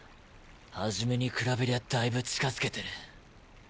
初めに比べりゃだいぶ近づけてる。